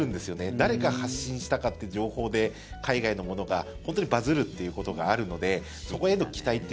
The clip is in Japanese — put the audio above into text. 誰が発信したかって情報で海外のものがバズるということがあるのでそこへの期待という。